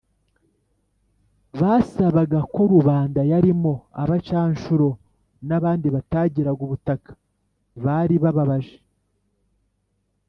basabaga ko rubanda yarimo abacanshuro n' abandi batagiraga ubutaka bari bababaje,